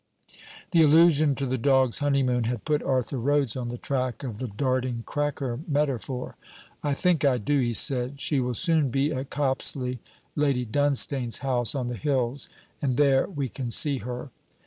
The allusion to the dog's honeymoon had put Arthur Rhodes on the track of the darting cracker metaphor. 'I think I do,' he said. 'She will soon be at Copsley Lady Dunstane's house, on the hills and there we can see her.'